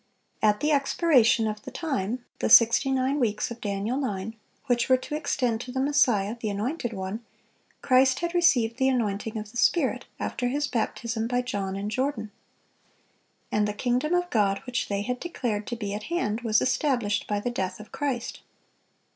At the expiration of "the time"—the sixty nine weeks of Daniel 9, which were to extend to the Messiah, "the Anointed One"—Christ had received the anointing of the Spirit, after His baptism by John in Jordan. And the "kingdom of God" which they had declared to be at hand, was established by the death of Christ.